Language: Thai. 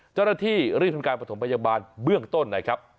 เจ้าหน้าที่รีบทำการประถมพยาบาลเบื้องต้นนะครับ